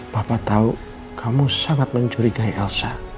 bapak tahu kamu sangat mencurigai elsa